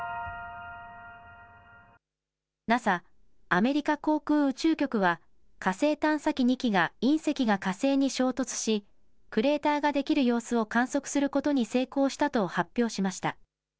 ＮＡＳＡ・アメリカ航空宇宙局は火星探査機２機が隕石が火星に衝突しクレーターができる様子を観測することに成功したと発表しました。